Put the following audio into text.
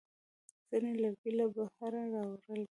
ځینې لرګي له بهره راوړل کېږي.